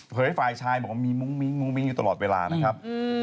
ฝ่ายชายบอกว่ามีมุ้งมิ้งมุ้งมิ้งอยู่ตลอดเวลานะครับ